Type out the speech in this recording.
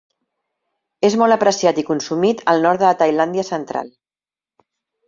És molt apreciat i consumit al nord de la Tailàndia central.